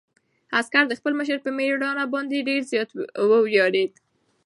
عسکر د خپل مشر په مېړانه باندې ډېر زیات وویاړېد.